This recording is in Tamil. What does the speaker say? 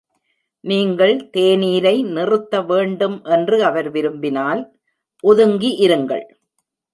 நீங்கள் தேநீரை நிறுத்த வேண்டும் என்று அவர் விரும்பினால், ஒதுங்கி இருங்கள்.